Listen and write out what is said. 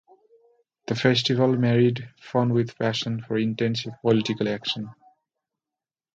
The festival married fun with passion for intensive political action.